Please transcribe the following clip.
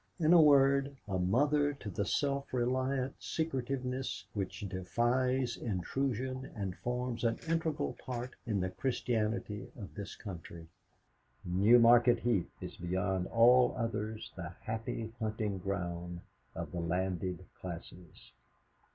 In a word a mother to the self reliant secretiveness which defies intrusion and forms an integral part in the Christianity of this country Newmarket Heath is beyond all others the happy hunting ground of the landed classes.